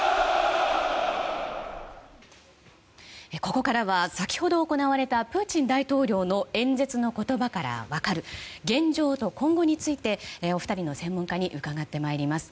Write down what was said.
ここからは先ほど行われたプーチン大統領の演説の言葉から分かる現状と今後についてお二人の専門家に伺ってまいります。